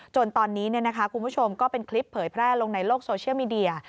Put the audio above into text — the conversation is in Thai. จนตอนนี้คุณผู้ชมก็เป็นคลิปเผยแพร่ลงในโลกโซเชียลมีเดีย